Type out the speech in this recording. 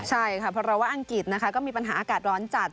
ใช่ค่ะเพราะเราว่าอังกฤษนะคะก็มีปัญหาอากาศร้อนจัด